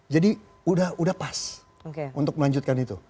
jadi udah pas untuk melanjutkan itu